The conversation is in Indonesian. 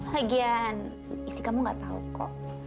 lagian istri kamu gak tahu kok